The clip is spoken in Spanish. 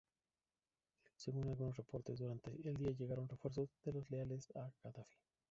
Según algunos reportes, durante el día llegaron refuerzos a los leales a Gadafi.